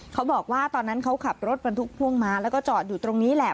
เขาบอกว่าตอนนั้นเขาขับรถบรรทุกพ่วงมาแล้วก็จอดอยู่ตรงนี้แหละ